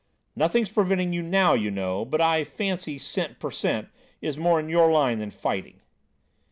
"Nothing's preventing you now, you know, but I fancy cent. per cent. is more in your line than fighting."